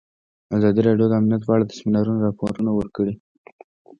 ازادي راډیو د امنیت په اړه د سیمینارونو راپورونه ورکړي.